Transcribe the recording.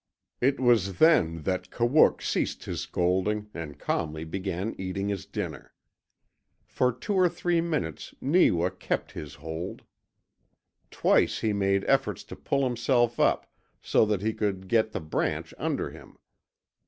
It was then that Kawook ceased his scolding and calmly began eating his dinner. For two or three minutes Neewa kept his hold. Twice he made efforts to pull himself up so that he could get the branch under him.